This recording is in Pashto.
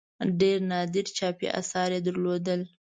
ډېر نادر چاپي آثار یې درلودل.